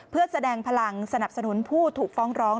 เพื่อแสดงพลังสนับสนุนผู้ถูกฟ้องร้อง